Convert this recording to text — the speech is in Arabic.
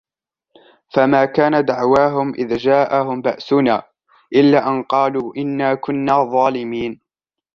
فَمَا كَانَ دَعْوَاهُمْ إِذْ جَاءَهُمْ بَأْسُنَا إِلَّا أَنْ قَالُوا إِنَّا كُنَّا ظَالِمِينَ